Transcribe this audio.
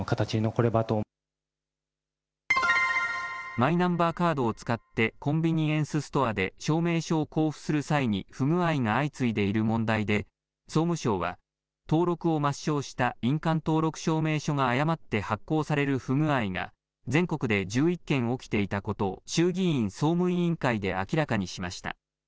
マイナンバーカードを使って、コンビニエンスストアで証明書を交付する際に不具合が相次いでいる問題で、総務省は、登録を抹消した印鑑登録証明書が誤って発行される不具合が、全国で１１件起きていたことを衆議院総務委員会で明らかにしました。